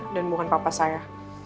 dan bukan papa saya